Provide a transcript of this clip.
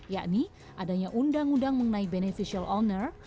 yakni adanya undang undang mengenai beneficial owner